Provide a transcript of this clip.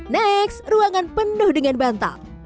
next ruangan penuh dengan bantal